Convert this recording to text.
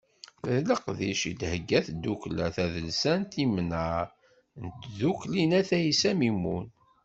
D leqdic i d-thegga tddukkla tadelsant Imnar n Tdukli n At Ɛissa Mimun